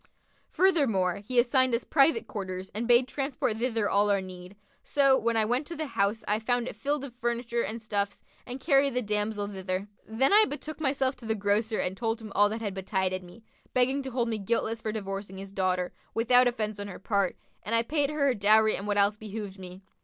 Furthermore, he assigned us private quarters and bade transport thither all our need; so, when I went to the house I found it filled full of furniture and stuffs and carried the damsel thither. Then I betook myself to the grocer and told him all that had betided me, begging to hold me guiltless for divorcing his daughter, without offence on her part; and I paid her her dowry[FN#52] and what else behoved me.